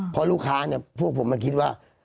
เพราะลูกค้าเนี่ยพวกผมมันคิดว่า